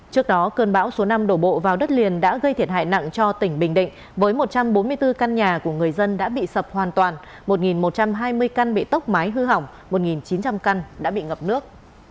trước đó cơn bão số năm đổ bộ vào đất liền đã gây thiệt hại nặng cho tỉnh bình định với một trăm bốn mươi bốn căn nhà của người dân đã bị sập hoàn toàn một một trăm hai mươi căn bị tốc mái hư hỏng một chín trăm linh căn đã bị ngập nước